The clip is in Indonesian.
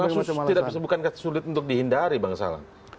masuk tidak bisa bukan sulit untuk dihindari bang salang